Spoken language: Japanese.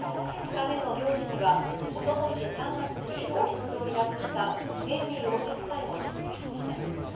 ２日目の行事には、おととし３月に王室を離脱した、ヘンリー王子夫妻も出席しました。